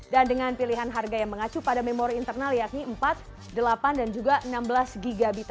dan dengan pilihan harga yang mengacu pada memori internal yakni empat delapan dan juga enam belas gigabit